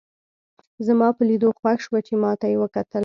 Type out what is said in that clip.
زما په لیدو خوښ شوه چې ما ته یې وکتل.